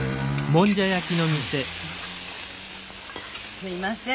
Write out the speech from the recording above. すいません